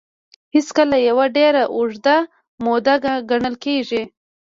هېڅکله يوه ډېره اوږده موده ګڼل کېږي.